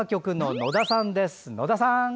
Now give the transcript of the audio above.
野田さん。